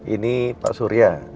ini pak surya